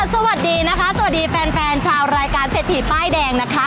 สวัสดีนะคะสวัสดีแฟนแฟนชาวรายการเศรษฐีป้ายแดงนะคะ